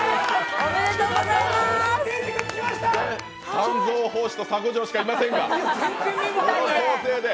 三蔵法師と沙悟浄しかいませんが。